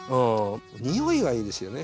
匂いがいいですよね